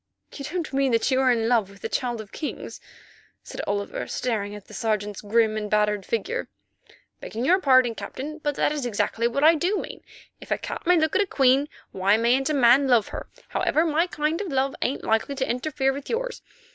"You don't mean that you are in love with the Child of Kings?" said Oliver, staring at the Sergeant's grim and battered figure. "Begging your pardon, Captain, that is exactly what I do mean. If a cat may look at a queen, why mayn't a man love her? Howsoever, my kind of love ain't likely to interfere with yours.